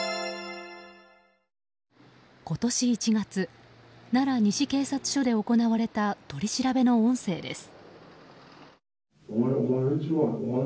今年１月、奈良西警察署で行われた取り調べの音声です。